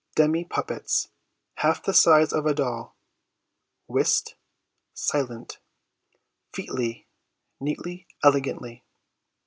Demi puppets: half the size of a doll. Whist: silent. Featly: neatly, elegantly.